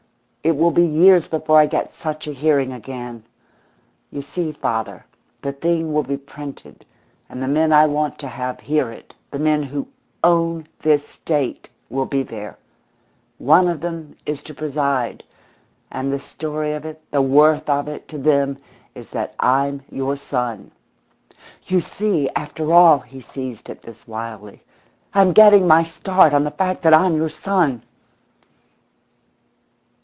It will be years before I get such a hearing again. You see, father, the thing will be printed, and the men I want to have hear it, the men who own this State, will be there. One of them is to preside. And the story of it, the worth of it, to them, is that I'm your son. You see, after all," he seized at this wildly, "I'm getting my start on the fact that I'm your son."